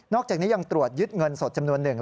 อกจากนี้ยังตรวจยึดเงินสดจำนวนหนึ่ง